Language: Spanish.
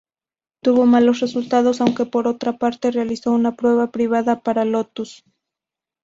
Tuvo malos resultados, aunque por otra parte realizó una prueba privada para Lotus.